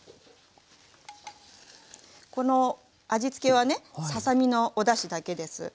この味付けはねささ身のおだしだけです。